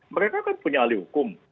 mereka kan punya ahli hukum